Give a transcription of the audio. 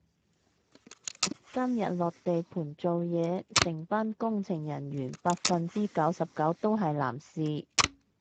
今日落地盤做嘢，成班工程人員百分之九十九都係男士